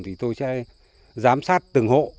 thì tôi sẽ giám sát từng hộ